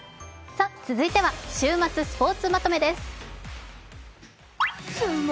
続いては「週末スポーツまとめ」です。